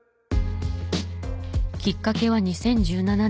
きっかけは２０１７年。